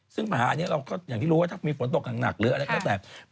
ซึ่งมหาอันนี้เราก็อย่างที่รู้ว่าถ้ามีฝนตกหนักหรืออะไรก็แล้วแต่